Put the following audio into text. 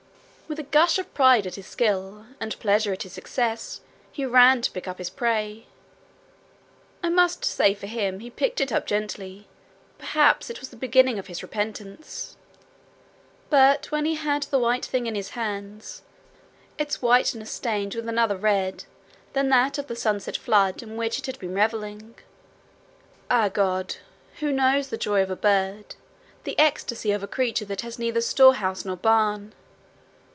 With a gush of pride at his skill, and pleasure at his success, he ran to pick up his prey. I must say for him he picked it up gently perhaps it was the beginning of his repentance. But when he had the white thing in his hands its whiteness stained with another red than that of the sunset flood in which it had been revelling ah God! who knows the joy of a bird, the ecstasy of a creature that has neither storehouse nor barn!